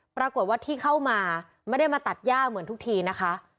ปรากฏว่าที่เข้ามาไม่ได้มาตัดย่าเหมือนทุกทีนะคะ